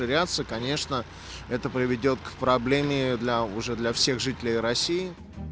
itu akan menyebabkan masalah untuk semua orang orang di rusia